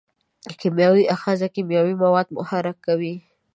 کیمیاوي آخذه کیمیاوي مواد محرک کوي.